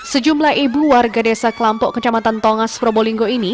sejumlah ibu warga desa kelampok kecamatan tongas probolinggo ini